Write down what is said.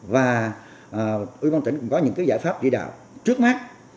và ubnd tỉnh cũng có những giải pháp chỉ đạo trước mắt